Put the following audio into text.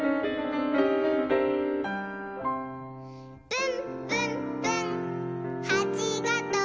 「ぶんぶんぶんはちがとぶ」